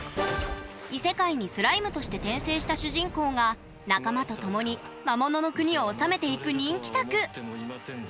異世界にスライムとして転生した主人公が仲間と共に魔物の国を治めていく人気作。